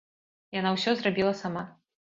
Яна ўсё зрабіла сама.